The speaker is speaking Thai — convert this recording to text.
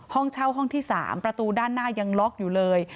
ห้องเช่าห้องที่๓ประตูด้านหน้ายังล็อกอยู่เลย